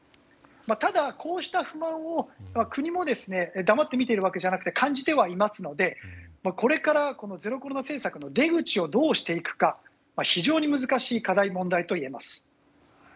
ただ、こうした不満を国も黙って見ているわけじゃなくて感じてはいますのでこれからゼロコロナ政策の出口をどうしていくかは非常に難しい課題問題といえます。